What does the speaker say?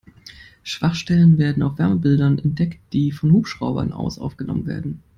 Schwachstellen werden auf Wärmebildern entdeckt, die von Hubschraubern aus aufgenommen werden.